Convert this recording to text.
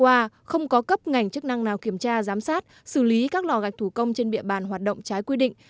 qua không có cấp ngành chức năng nào kiểm tra giám sát xử lý các lò gạch thủ công trên địa bàn hoạt động trái quy định